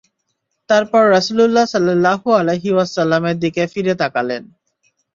তারপর রাসূলুল্লাহ সাল্লাল্লাহু আলাইহি ওয়াসাল্লামের দিকে ফিরে তাকালেন।